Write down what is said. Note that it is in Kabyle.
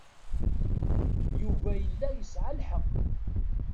Yuba yella yesɛa lḥeqq.